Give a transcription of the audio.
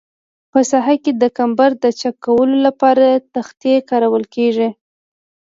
په ساحه کې د کمبر د چک کولو لپاره تختې کارول کیږي